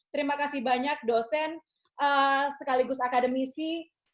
terima kasih banyak dosen sekaligus akademisi